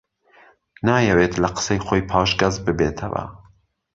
نایەوێت لە قسەی خۆی پاشگەز ببێتەوە